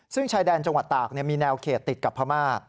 ซึ่งชายแดนจังหวัดตากมีแนวเขตติดกับพม่า